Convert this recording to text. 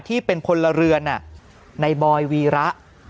ที่เป็นคนละเรือนน่ะนายบอยวีระ